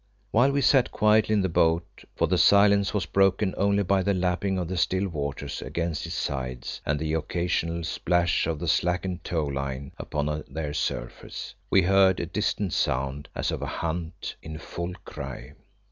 While we sat quietly in the boat for the silence was broken only by the lapping of the still waters against its sides and the occasional splash of the slackened tow line upon their surface we heard a distant sound as of a hunt in full cry.